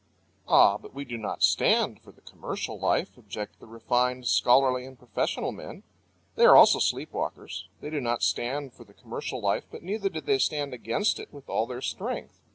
"Ah, but we do not stand for the commercial life," object the refined, scholarly, and professional men. They are also sleep walkers. They do not stand for the commercial life, but neither do they stand against it with all their strength.